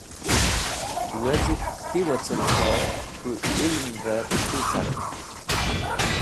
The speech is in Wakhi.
Wezit qẽti wocẽn k̃hẽ k̃hũ ilmẽvẽ qẽti carẽn.